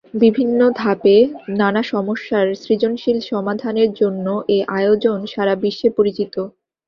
বিভিন্ন ধাপে নানা সমস্যার সৃজনশীল সমাধানের জন্য এ আয়োজন সারা বিশ্বে পরিচিত।